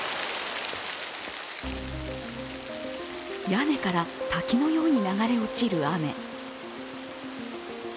屋根から滝のように流れ落ちる雨。